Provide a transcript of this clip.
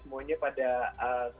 ek kadang yang ada odd